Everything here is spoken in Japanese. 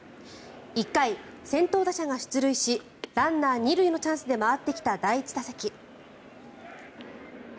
１回、先頭打者が出塁しランナー２塁のチャンスで回ってきた第１打席。